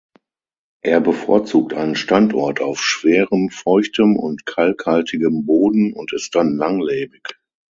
Er bevorzugt einen Standort auf schwerem, feuchtem und kalkhaltigem Boden und ist dann langlebig.